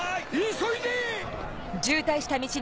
急いで！